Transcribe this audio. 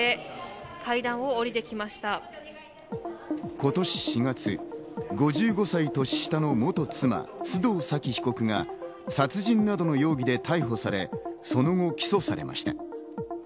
今年４月、５５歳年下の元妻・須藤早貴被告が、殺人などの容疑で逮捕され、その後起訴されました。